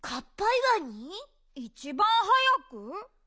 いちばんはやく？